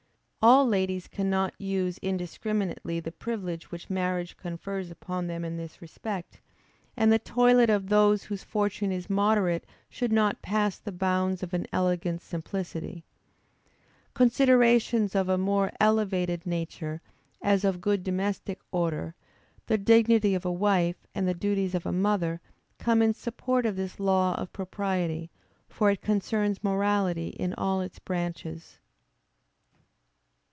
All ladies cannot use indiscriminately the privilege which marriage confers upon them in this respect, and the toilet of those whose fortune is moderate should not pass the bounds of an elegant simplicity. Considerations of a more elevated nature, as of good domestic order, the dignity of a wife, and the duties of a mother, come in support of this law of propriety, for it concerns morality in all its branches.